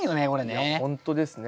いや本当ですね。